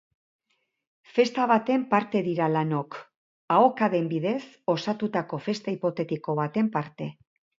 Festa baten parte dira lanok, ahokaden bidez osatutako festa hipotetiko baten parte.